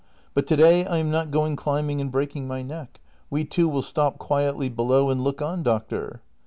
But to day I am not going climbing and breaking my neck. We two will stop quietly below and look on, doctor.